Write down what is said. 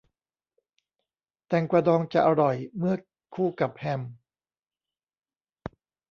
แตงกวาดองจะอร่อย เมื่อคู่กับแฮม